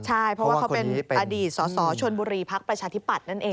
ใช่เพราะว่าเขาเป็นอดีตสสชนบุรีพักประชาธิปัตย์นั่นเอง